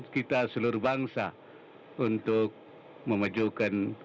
kita seluruh bangsa untuk memajukan